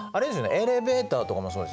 エレベーターとかもそうですよね。